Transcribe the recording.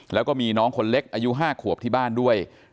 แล้วก็มีน้องคนเล็กอายุ๕ขวบที่บ้านด้วย